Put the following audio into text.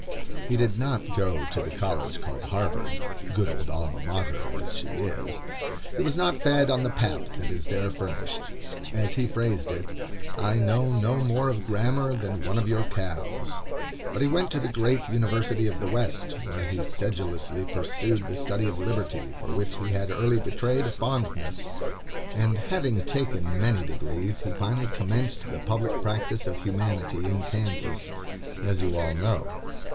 He did not go to the college called Harvard, good old Alma Mater as she is. He was not fed on the pap that is there furnished. As he phrased it, "I know no more of grammar than one of your calves." But he went to the great university of the West, where he sedulously pursued the study of Liberty, for which he had early betrayed a fondness, and having taken many degrees, he finally commenced the public practice of Humanity in Kansas, as you all know.